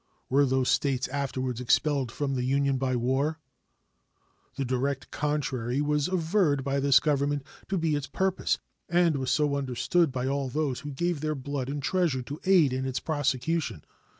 Were those States afterwards expelled from the Union by the war? The direct contrary was averred by this Government to be its purpose, and was so understood by all those who gave their blood and treasure to aid in its prosecution.